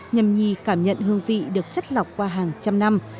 nhằm nhì cảm nhận hương vị được chất lọc qua hàng trăm năm